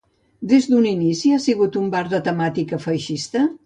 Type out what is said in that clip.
Des d'un inici ha sigut un bar de temàtica feixista?